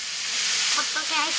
ホットケーキ！